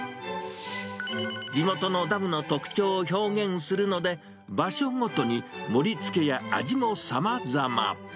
地元のダムの特徴を表現するので、場所ごとに盛りつけや味もさまざま。